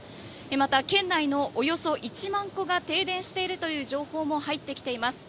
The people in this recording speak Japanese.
また県内のおよそ１万戸が停電しているという情報も入ってきています。